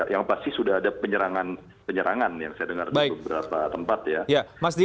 yang pasti sudah ada penyerangan penyerangan yang saya dengar di beberapa tempat ya